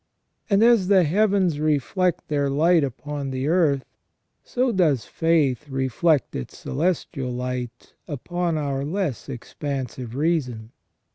And as the heavens reflect their light upon the earth, so does faith reflect its celestial light upon our less expansive reason.